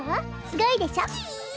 すごいでしょ？キイ！